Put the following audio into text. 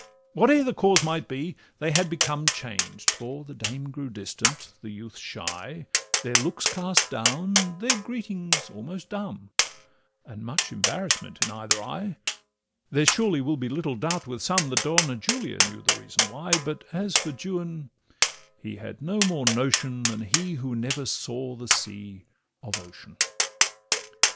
Whate'er the cause might be, they had become Changed; for the dame grew distant, the youth shy, Their looks cast down, their greetings almost dumb, And much embarrassment in either eye; There surely will be little doubt with some That Donna Julia knew the reason why, But as for Juan, he had no more notion Than he who never saw the sea of ocean.